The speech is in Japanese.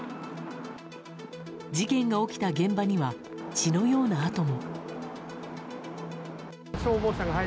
事件が起きた現場には血のような跡も。